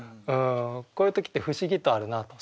こういう時って不思議とあるなと。